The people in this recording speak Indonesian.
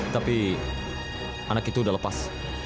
tapi anak itu udah lepas